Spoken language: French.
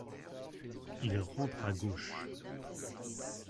Il rentre à gauche.